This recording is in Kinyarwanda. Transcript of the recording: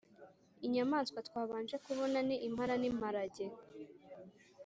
Inyamaswa twabanje kubona ni impara n’imparage